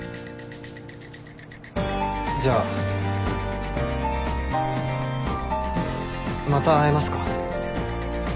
じゃあまた会えますか？